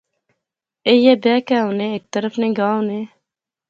ایہہ بیاہ کہیہ ہونے ہیک طرح نے گاہ ہونے